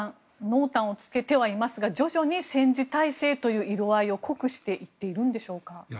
濃淡をつけてはいますが徐々に戦時体制という色合いを濃くしていっているんでしょうか。